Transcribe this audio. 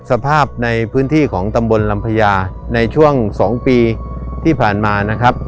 สภาพในพื้นที่ของตำบลลำพญาในช่วง๒ปีที่ผ่านมานะครับ